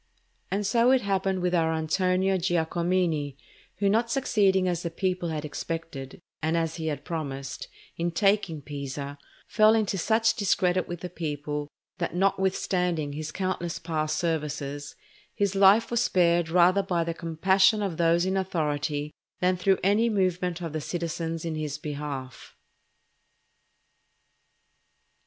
And so it happened with our Antonio Giacomini, who not succeeding as the people had expected, and as he had promised, in taking Pisa, fell into such discredit with the people, that notwithstanding his countless past services, his life was spared rather by the compassion of those in authority than through any movement of the citizens in his behalf.